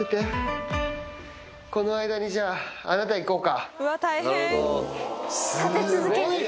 この間にじゃああなた行こうか。